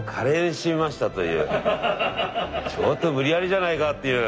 ちょっと無理やりじゃないかっていう。